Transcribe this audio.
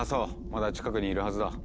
まだ近くにいるはずだ。